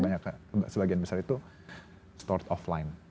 jadi sebagian besar itu stored offline